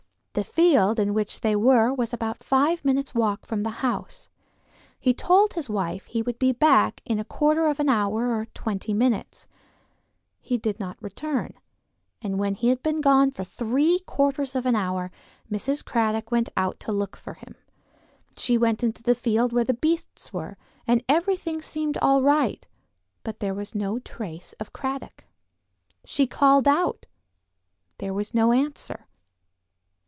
The field in which they were was about five minutes' walk from the house. He told his wife he would be back in a quarter of an hour or twenty minutes. He did not return, and when he had been gone for three quarters of an hour Mrs. Cradock went out to look for him. She went into the field where the beasts were, and everything seemed all right, but there was no trace of Cradock. She called out; there was no answer.